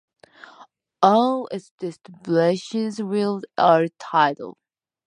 All its distributaries are tidal.